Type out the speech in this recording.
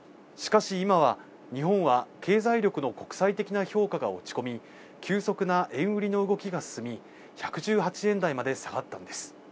しかし今は、日本は経済力の国際的な評価が落ち込み、急速な円売りの動きが進み、１１８円台まで下がったのです。